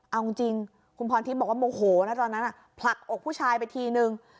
เอาจริงคุณพรทิพย์บอกว่าโมโหนะตอนนั้นผลักอกผู้ชายไปทีนึง